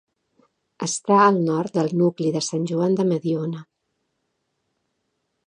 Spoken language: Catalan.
Està al nord del nucli de Sant Joan de Mediona.